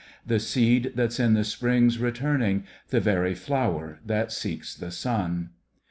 The seed that's in the Spring's returning. The very flower that seeks the sun.